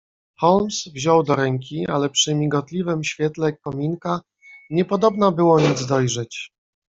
"Holmes wziął do ręki, ale przy migotliwem świetle kominka niepodobna było nic dojrzeć."